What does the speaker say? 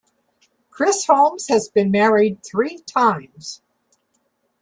Chris Holmes has been married three times.